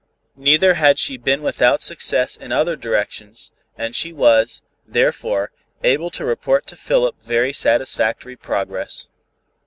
Neither had she been without success in other directions, and she was, therefore, able to report to Philip very satisfactory progress.